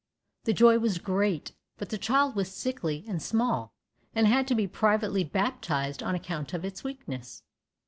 The joy was great, but the child was sickly and small, and had to be privately baptized on account of its weakness.